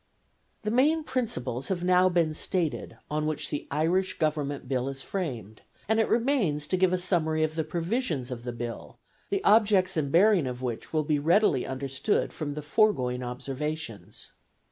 The main principles have now been stated on which the Irish Government Bill is framed, and it remains to give a summary of the provisions of the Bill, the objects and bearing of which will be readily understood from the foregoing observations.